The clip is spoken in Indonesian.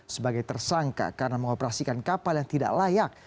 sebagai tersangka karena mengoperasikan kapal yang tidak layak